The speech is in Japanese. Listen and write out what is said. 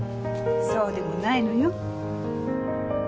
そうでもないのよ。